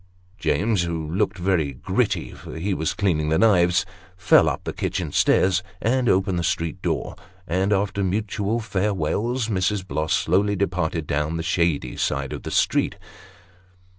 James (who looked very gritty, for he was cleaning the knives) fell up the kitchen stairs, and opened the street door; and, after mutual farewells, Mrs. Bloss slowly departed, down the shady side of the street.